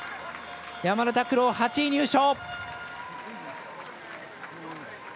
山田拓朗、８位入賞。